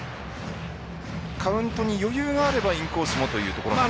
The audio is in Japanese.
カウントに余裕があればインコースというところですね。